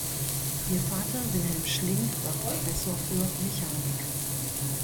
Ihr Vater Wilhelm Schlink war Professor für Mechanik.